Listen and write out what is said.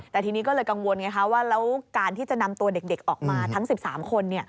แต่ทีนี้ก็เลยกังวลไงคะว่าแล้วการที่จะนำตัวเด็กออกมาทั้ง๑๓คน